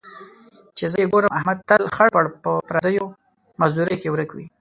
چې زه یې ګورم، احمد تل خړ پړ په پردیو مزدوریو کې ورک وي.